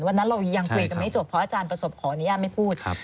วันนั้นเรายังคุยกันไม่จบเพราะอาจารย์ประสบขออนุญาตไม่พูด